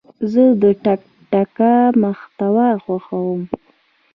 زه د ټک ټاک محتوا خوښوم.